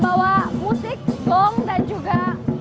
membawa musik gong dan juga